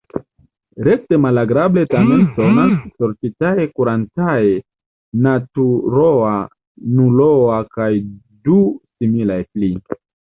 Rekte malagrable tamen sonas: sorĉitae, kurantae, naturoa, nuloa kaj du similaj pli.